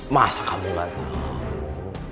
masa kamu lah tau